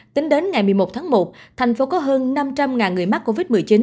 tính đến ngày một mươi một tháng một thành phố có hơn năm trăm linh người mắc covid một mươi chín